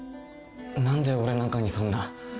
何で俺なんかにそんな